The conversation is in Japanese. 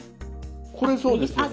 これそうですよね？